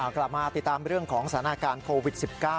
กลับมาติดตามเรื่องของสถานการณ์โควิด๑๙